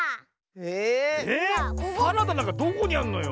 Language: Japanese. ええっ⁉サラダなんかどこにあんのよ？